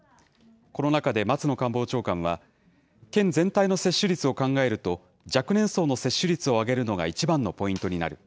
この中で松野官房長官は、県全体の接種率を考えると、若年層の接種率を上げるのが一番のポイントになる。